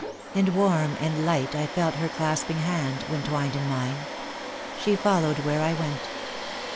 "And warm and light I felt her clasping hand When twined in mine; she followed where I went."